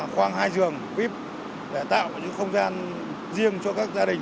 khoang hai giường bếp để tạo những không gian riêng cho các gia đình